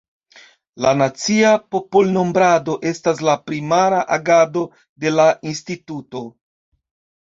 La nacia popolnombrado estas la primara agado de la instituto.